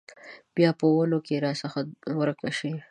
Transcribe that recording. بیا په ونو کې راڅخه ورکه شي